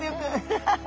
アハハハ。